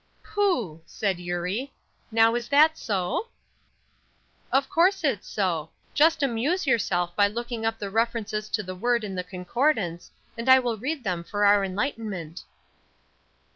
"Pooh!" said Eurie, "Now is that so?" "Of course it's so. Just amuse yourself by looking up the references to the word in the concordance, and I will read them for our enlightenment."